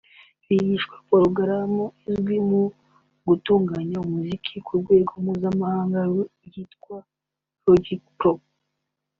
bigishwa porogaramu izwi mu gutunganya umuziki ku rwego mpuzamahanga yitwa Logic pro